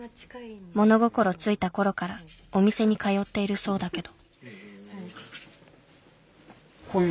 物心付いた頃からお店に通っているそうだけど。